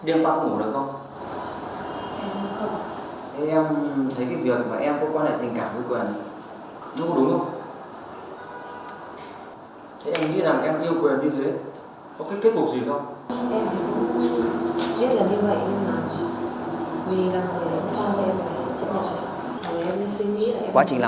em không nghĩ là